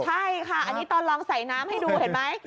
ใช่ค่ะอันนี้ตอนลองใส่น้ำให้ดูเห็นไหม